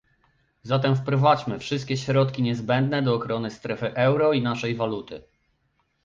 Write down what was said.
Zatem wprowadźmy wszystkie środki niezbędne do ochrony strefy euro i naszej waluty